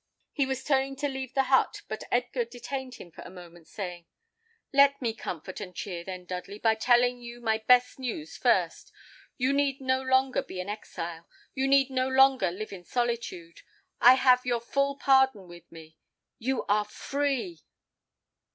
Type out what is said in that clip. He was turning to leave the but, but Edgar detained him for a moment, saying, "Let me comfort and cheer, then, Dudley, by telling you my best news first. You need no longer be an exile, you need no longer live in solitude; I have your full pardon with me. You are free."